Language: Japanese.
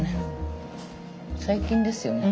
最近ですよね。